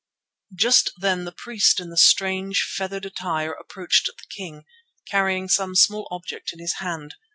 Just then the priest in the strange, feathered attire approached the king, carrying some small object in his hand.